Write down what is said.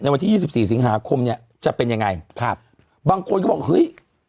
วันที่ยี่สิบสี่สิงหาคมเนี้ยจะเป็นยังไงครับบางคนก็บอกเฮ้ย